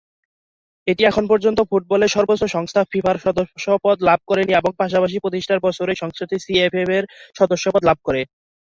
এটি এখন পর্যন্ত ফুটবলের সর্বোচ্চ সংস্থা ফিফার সদস্যপদ লাভ করেনি, এর পাশাপাশি প্রতিষ্ঠার বছরেই সংস্থাটি সিএফএফ-এর সদস্যপদ লাভ করে।